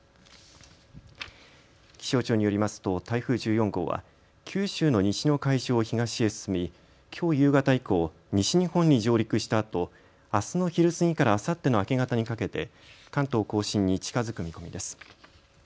気象庁によりますと台風１４号は九州の西の海上を東へ進み、きょう夕方以降、西日本に上陸したあとあすの昼過ぎからあさっての明け方にかけて関東甲信に近づく見込みです。